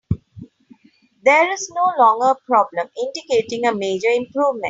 That is no longer a problem, indicating a major improvement.